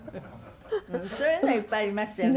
そういうのいっぱいありましたよね。